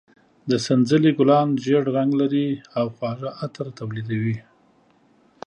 د سنځلې ګلان زېړ رنګ لري او خواږه عطر تولیدوي.